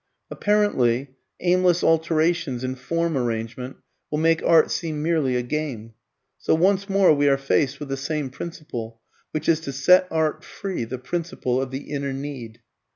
Apparently aimless alterations in form arrangement will make art seem merely a game. So once more we are faced with the same principle, which is to set art free, the principle of the inner need.